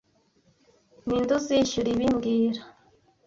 Ninde uzishyura ibi mbwira